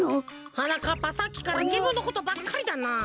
はなかっぱさっきからじぶんのことばっかりだな。